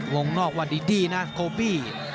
วงนอกว่าดี้นะโกบี้